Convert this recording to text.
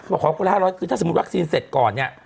บอกพาคนละ๕๐๐คือถ้าวัคซินเจ็บเงินตอนเนี่ย